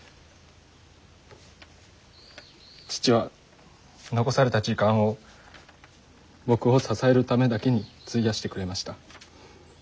父は残された時間を僕を支えるためだけに費やしてくれました。